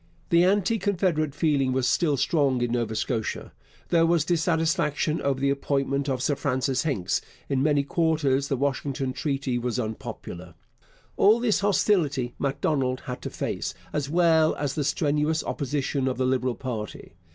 The anti confederate feeling was still strong in Nova Scotia. There was dissatisfaction over the appointment of Sir Francis Hincks. In many quarters the Washington Treaty was unpopular. All this hostility Macdonald had to face, as well as the strenuous opposition of the Liberal party.